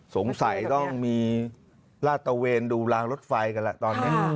สงสัยต้องมีลาดตะเวนดูรางรถไฟกันแหละตอนนี้